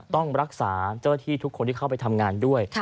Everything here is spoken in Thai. ต้องรักษาเจ้าหน้าที่ทุกคนที่เข้าไปทำงานด้วย